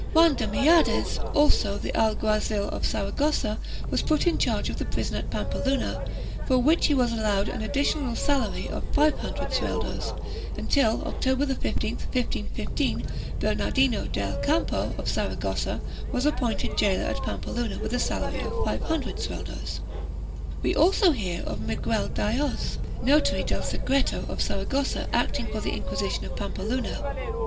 Juan de Miades, also, the alguazil of Saragossa, was put in charge of the prison at Pampeluna, for which he was allowed an additional salary of 500 sueldos, until, October 15, 1515, Bernardino del Campo, of Saragossa, was appointed gaoler at Pampeluna with a salary of 500 sueldos. We also hear of Miguel Daoyz, notary del secreto of Saragossa acting for the Inquisition of Pampeluna.